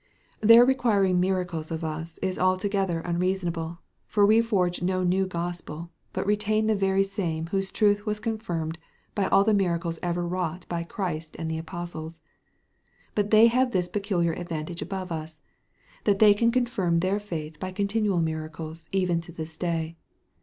Their requiring miracles of us is altogether unreasonable; for we forge no new Gospel, but retain the very same whose truth was confirmed by all the miracles ever wrought by Christ and the apostles. But they have this peculiar advantage above us, that they can confirm their faith by continual miracles even to this day.